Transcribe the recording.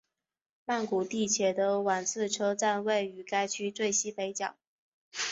曼谷地铁的挽赐车站位于该区最西北角。